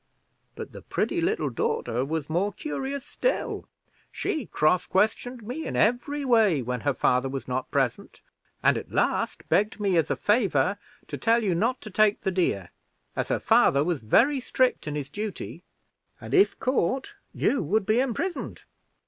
But the pretty little daughter was more curious still. She cross questioned me in every way when her father was not present, and at last begged me as a favor to tell you not to take the deer, as her father was very strict in his duty, and, if caught, you would be imprisoned."